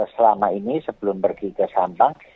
selama ini sebelum pergi ke sampang